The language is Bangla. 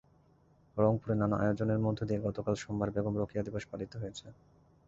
রংপুরে নানা আয়োজনের মধ্য দিয়ে গতকাল সোমবার বেগম রোকেয়া দিবস পালিত হয়েছে।